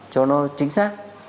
cho nó chính xác